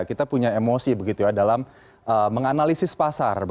kita punya emosi dalam menganalisis pasar